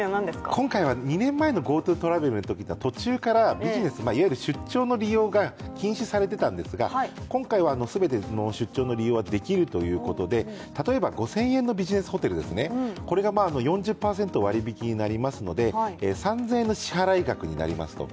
今回は２年前のＧｏＴｏトラベルは途中からビジネスいわゆる出張の利用が禁止されていたんですが、今回は全て出張の利用ができるということで例えば５０００円のビジネスホテルが４０％割引になりますので３０００円の支払額になりますと。